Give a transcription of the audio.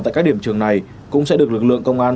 tại các điểm trường này cũng sẽ được lực lượng công an